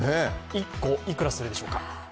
１個幾らするでしょうか？